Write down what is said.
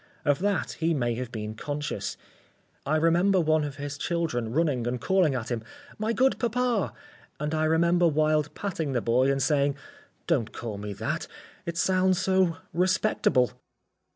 Of that he may have been conscious. I remember one of his children running and calling at him: "My good papa!" and I remember Wilde patting the boy and saying: "Don't call me that, it sounds so respectable."